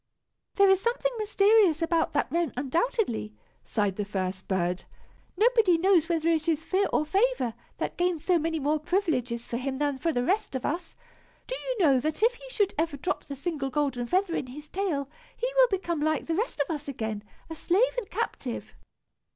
"There is something mysterious about that wren, undoubtedly," sighed the first bird. "Nobody knows whether it is fear or favor that gains so many more privileges for him than for the rest of us. Do you know that if he should ever drop the single golden feather in his tail, he will become like the rest of us again, a slave and captive?